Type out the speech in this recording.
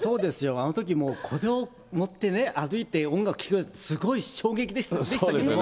あのとき、これを持って歩いて音楽聴くなんて、すごい衝撃でしたけども。